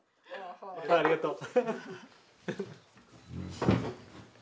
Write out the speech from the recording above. ありがとう。